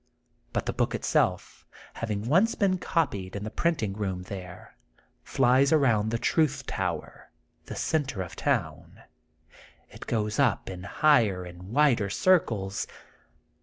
But the book itself, having once been copied in the printing room there, files around the Truth Tower, the center of town; it goes up in higher and wider circles.